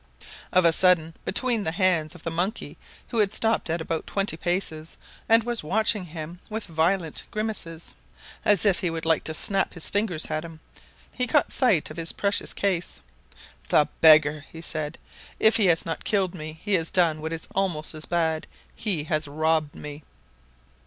Of a sudden, between the hands of the monkey, who had stopped at about twenty paces, and was watching him with violent grimaces, as if he would like to snap his fingers at him, he caught sight of his precious case. "The beggar!" he said. "If he has not killed me, he has done what is almost as bad. He has robbed me!"